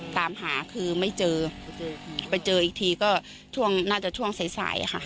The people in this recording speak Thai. ตามหาคือไม่เจอไปเจออีกทีก็ช่วงน่าจะช่วงสายสายค่ะ